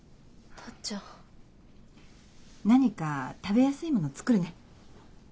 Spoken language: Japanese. タッちゃん。何か食べやすいもの作るね。